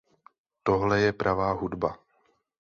Tohle je pravá hudba.